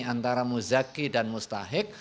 antara muzaki dan mustahik